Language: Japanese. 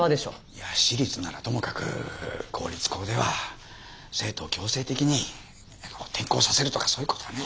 いや私立ならともかく公立校では生徒を強制的に転校させるとかそういう事はね。